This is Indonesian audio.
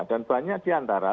dan banyak di antara